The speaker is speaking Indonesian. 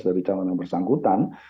dari calon yang bersangkutan